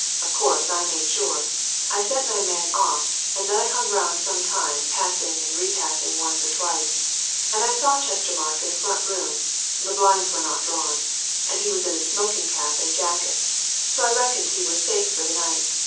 Of course, I made sure. I sent my man off and then I hung round some time, passing and re passing once or twice. And I saw Chestermarke in a front room the blinds were not drawn and he was in a smoking cap and jacket, so I reckoned he was safe for the night.